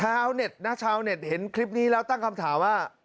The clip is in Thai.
ชาวเน็ตนะชาวเน็ตเห็นคลิปนี้แล้วตั้งคำถามว่า